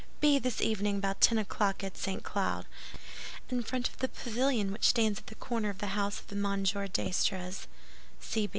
Be this evening about ten o'clock at St. Cloud, in front of the pavilion which stands at the corner of the house of M. d'Estrées.